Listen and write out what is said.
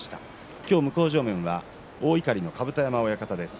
今日の向正面は大碇の甲山親方です。